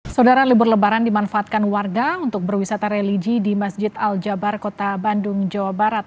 saudara libur lebaran dimanfaatkan warga untuk berwisata religi di masjid al jabar kota bandung jawa barat